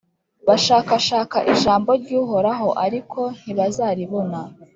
bashakashaka ijambo ry’uhoraho, ariko ntibazaribona.